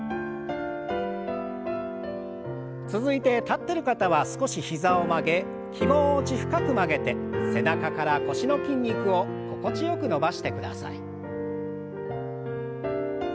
続いて立ってる方は少し膝を曲げ気持ち深く曲げて背中から腰の筋肉を心地よく伸ばしてください。